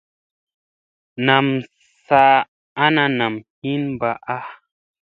Nam saa ana nam hin mbaa.